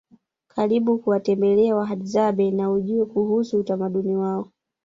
Karibu kuwatemelea Wahadzabe na ujue kuusu utamaduni wao